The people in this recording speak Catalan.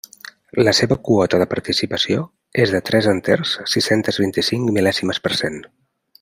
La seva quota de participació és de tres enters, sis-centes vint-i-cinc mil·lèsimes per cent.